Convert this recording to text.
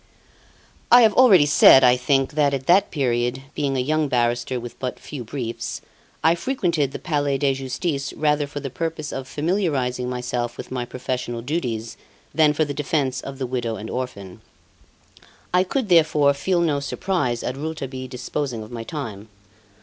I have already said, I think, that at that period, being a young barrister with but few briefs, I frequented the Palais de Justice rather for the purpose of familiarising myself with my professional duties than for the defence of the widow and orphan. I could, therefore, feel no surprise at Rouletabille disposing of my time.